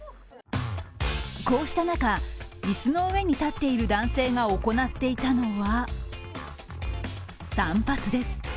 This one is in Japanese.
こうした中、椅子の上に立っている男性が行っていたのは散髪です。